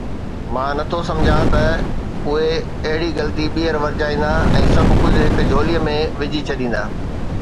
مان نه ٿو سمجهان ته اهي اهڙي غلطي ٻيهر ورجائيندا ۽ سڀ ڪجهه هڪ جھولي ۾ وجهي ڇڏيندا.